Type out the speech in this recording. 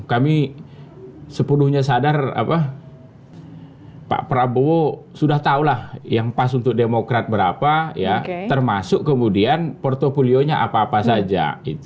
kami sepenuhnya sadar pak prabowo sudah tahulah yang pas untuk demokrat berapa termasuk kemudian portfolionya apa apa saja